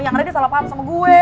yang reddy salah paham sama gue